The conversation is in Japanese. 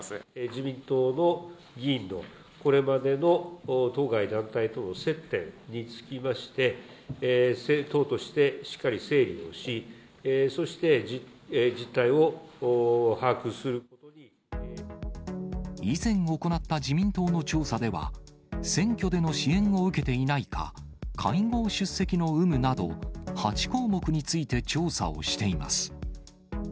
自民党の議員のこれまでの当該団体との接点につきまして、政党としてしっかり整理をし、以前行った自民党の調査では、選挙での支援を受けていないか、会合出席の有無など、８項目について調査をしています。